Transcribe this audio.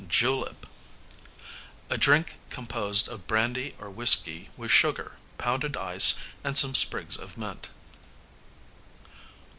Julep, a drink composed of brandy or whisky with sugar, pounded ice, and some sprigs of mint.